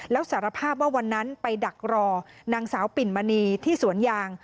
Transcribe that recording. แล้วสารภาพว่าวันนั้นไปดักรอนางสาวปิ่นมณีที่สวนยาง